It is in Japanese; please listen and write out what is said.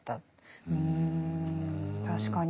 確かに。